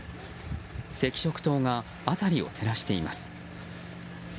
赤色灯が辺りを照らしています。